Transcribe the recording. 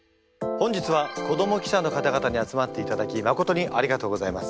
本日は子ども記者の方々に集まっていただきまことにありがとうございます。